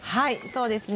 そうですね。